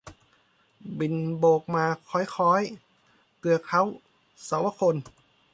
บินโบกมาค้อยค้อย เกลือกเคล้าเสาวคนธ์